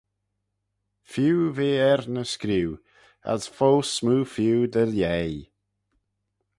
Feeu v'er ny screeu, as foast smoo feeu dy lhaih.